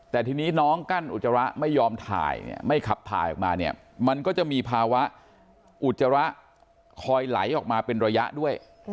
แต่ทีนี้น้องกั้นอุจจาระไม่ยอมถ่ายเนี่ยไม่ขับถ่ายออกมาเนี่ยมันก็จะมีภาวะอุจจาระคอยไหลออกมาเป็นระยะด้วย